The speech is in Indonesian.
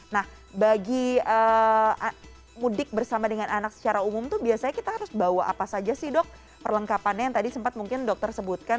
nah bagi mudik bersama dengan anak secara umum itu biasanya kita harus bawa apa saja sih dok perlengkapannya yang tadi sempat mungkin dokter sebutkan